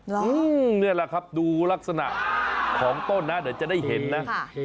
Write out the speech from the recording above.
นี่แหละครับดูลักษณะของต้นนะเดี๋ยวจะได้เห็นนะ